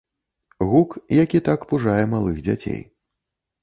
Гук, які так пужае малых дзяцей.